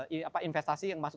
dan mencari investasi yang masuk